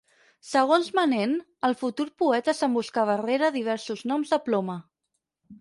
Segons Manent el futur poeta s'emboscava rere diversos noms de ploma.